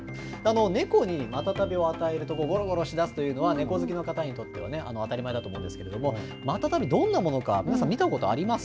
猫にマタタビを与えると、ごろごろしだすというのは猫好きな方にとっては当たり前だと思うんですけれども、マタタビ、どんなものか、皆さん見たことあります？